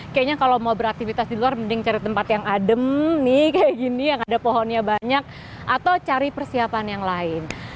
kayaknya kalau mau beraktivitas di luar mending cari tempat yang adem nih kayak gini yang ada pohonnya banyak atau cari persiapan yang lain